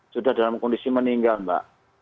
sudah dalam kondisi meninggal mbak